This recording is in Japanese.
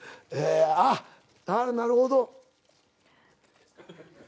あっなるほど。